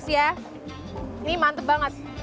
ini mantep banget